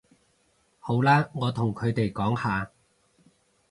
好啦，我同佢哋講吓